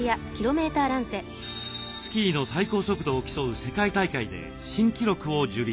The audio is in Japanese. スキーの最高速度を競う世界大会で新記録を樹立。